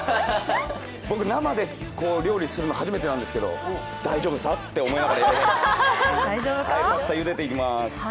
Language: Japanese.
僕、生で料理するの初めてなんですけど、大丈夫さって思いながらパスタゆでていきます。